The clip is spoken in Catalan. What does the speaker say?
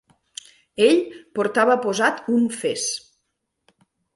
Ell portava posat un fes.